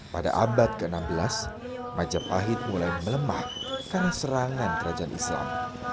pada abad ke enam belas majapahit mulai melemah karena serangan kerajaan islam